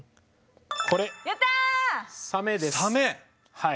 はい。